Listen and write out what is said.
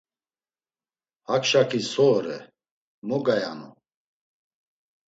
Hak şakis so ore, mo gayanu?